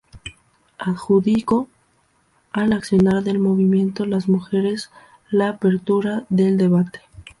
Adjudicó al accionar del movimiento de mujeres la apertura del debate.